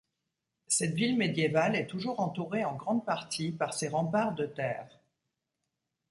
Cette ville médiévale est toujours entourée en grande partie par ses remparts de terre.